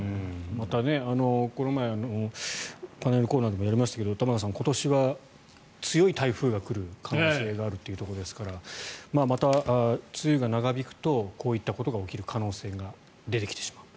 また、この前パネルコーナーでもやりましたけど玉川さん、今年は強い台風が来る可能性があるということですからまた梅雨が長引くとこういったことが起きる可能性が出てきてしまうと。